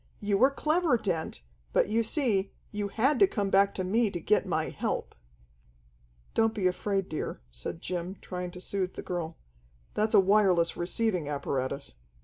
You were clever, Dent, but you see, you had to come back to me to get my help." "Don't be afraid, dear," said Jim, trying to soothe the girl. "That's a wireless receiving apparatus."